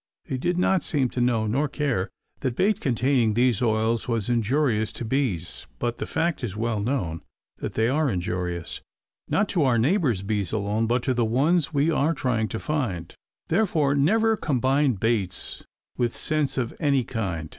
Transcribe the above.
They did not seem to know, nor care, that bait containing these oils was injurious to bees; but the fact is well known that they are injurious not to our neighbor's bees alone, but to the ones we are trying to find. Therefore, never combine baits with scents of any kind.